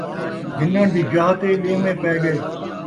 گھنݨ دی جاہ تے ݙیوݨے پئے ڳئے